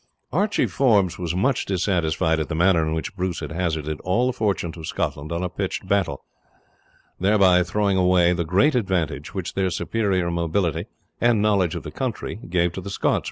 Archie Forbes was much dissatisfied at the manner in which Bruce had hazarded all the fortunes of Scotland on a pitched battle, thereby throwing away the great advantage which their superior mobility and knowledge of the country gave to the Scots.